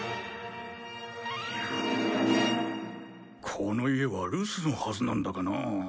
この家は留守のはずなんだがな。